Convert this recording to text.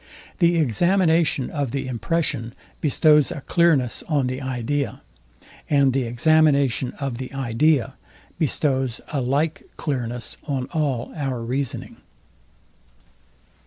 The examination of the impression bestows a clearness on the idea; and the examination of the idea bestows a like clearness on all our reasoning.